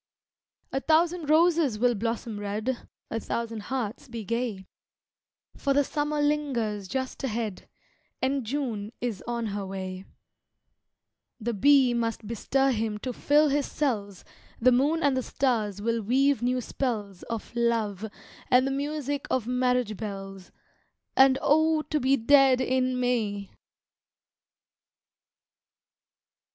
A thousand roses will blossom red, A thousand hearts be gay, For the summer lingers just ahead And June is on her way; The bee must bestir him to fill his cells, The moon and the stars will weave new spells Of love and the music of marriage bells And, oh, to be dead in May!